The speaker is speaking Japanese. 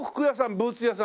ブーツ屋さん？